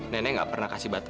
nenek gak pernah kasih batu